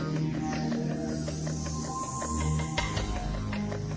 มดรดิโน้ย